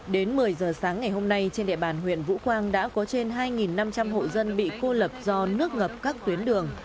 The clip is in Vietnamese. đến một mươi giờ sáng ngày hôm nay trên địa bàn huyện vũ quang đã có trên hai năm trăm linh hộ dân bị cô lập do nước ngập các tuyến đường